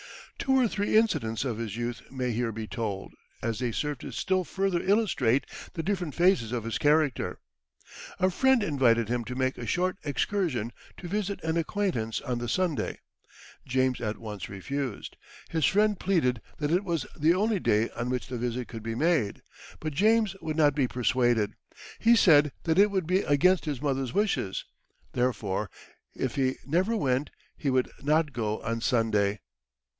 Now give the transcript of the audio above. Two or three incidents of his youth may here be told, as they serve to still further illustrate the different phases of his character. A friend invited him to make a short excursion to visit an acquaintance on the Sunday. James at once refused. His friend pleaded that it was the only day on which the visit could be made, but James would not be persuaded. He said that it would be against his mother's wishes; therefore, if he never went, he would not go on Sunday.